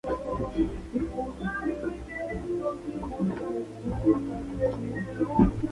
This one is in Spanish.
Murió en el asedio de Neuss, en el que acompañaba al príncipe.